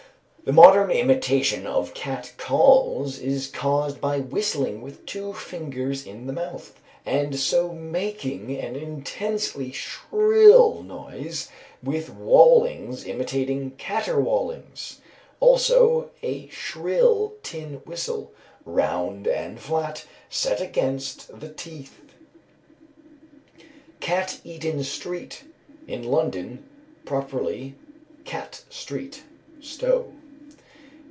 The modern imitation of "cat calls" is caused by whistling with two fingers in the mouth, and so making an intensely shrill noise, with waulings imitating "catterwaulings." Also a shrill tin whistle, round and flat, set against the teeth. Cat eaten Street. In London; properly "Catte Street" (STOW).